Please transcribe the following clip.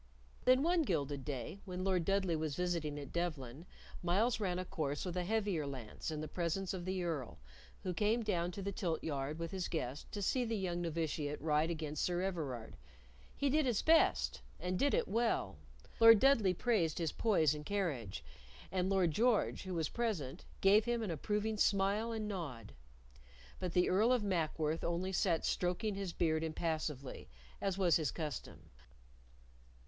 Then one gilded day, when Lord Dudleigh was visiting at Devlen, Myles ran a course with a heavier lance in the presence of the Earl, who came down to the tilt yard with his guest to see the young novitiate ride against Sir Everard. He did his best, and did it well. Lord Dudleigh praised his poise and carriage, and Lord George, who was present, gave him an approving smile and nod. But the Earl of Mackworth only sat stroking his beard impassively, as was his custom.